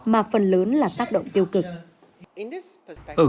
mà phần lớn là tác động tiêu cực